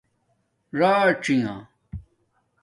راڅنݣ